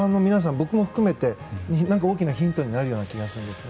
僕も含めて大きなヒントになるような気がするんですね。